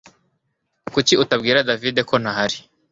kuki utabwira davide ko ntahari